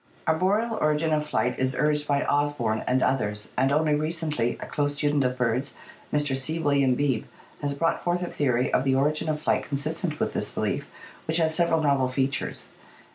Arboreal origin of flight is urged by Osborn and others, and only recently a close student of birds, Mr. C. William Beebe, has brought forth a theory of the origin of flight consistent with this belief, which has several novel features.